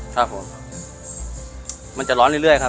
ครับผมมันจะร้อนเรื่อยเรื่อยค่ะ